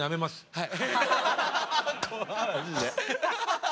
はい。